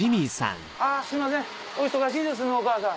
あぁすいませんお忙しいですねお母さん。